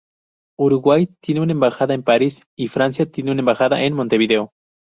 Uruguay tiene una embajada en París y Francia tiene una embajada en Montevideo.